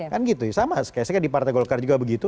kan gitu ya sama kayaknya di partai golkar juga begitu